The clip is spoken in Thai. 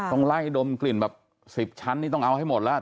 ต้องไล่ดมกลิ่นแบบ๑๐ชั้นนี่ต้องเอาให้หมดแล้ว